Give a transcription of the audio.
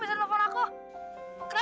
hal ini adalah kesan hati kita